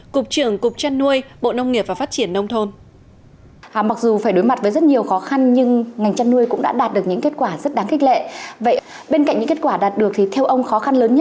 cục trưởng cục chăn nuôi bộ nông nghiệp và phát triển nông thôn